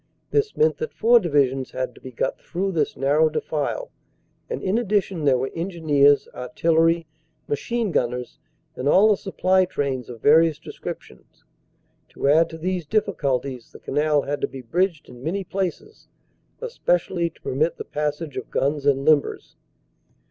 This meant that four divisions had to be got through this narrow defile, and in addition there were engineers, artillery, machine gunners and all the supply trains of various descriptions. To add to these difficulties the canal had to be bridged in many places, especially to permit the passage of guns and limbers.